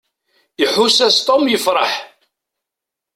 Iḥuss-as Tom yefṛeḥ.